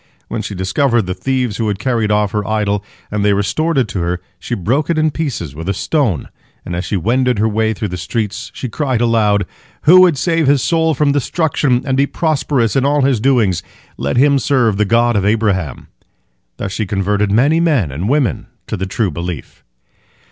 When she discovered the thieves who had carried off her idol, and they restored it to her, she broke it in pieces with a stone, and as she wended her way through the streets, she cried aloud, "Who would save his soul from destruction, and be prosperous in all his doings, let him serve the God of Abraham." Thus she converted many men and women to the true belief.